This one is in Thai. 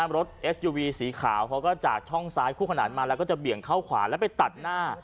รถเอสยูวีสีขาวเขาก็จากช่องซ้ายคู่ขนาดมาแล้วก็จะเบี่ยงเข้าขวาแล้วไปตัดหน้า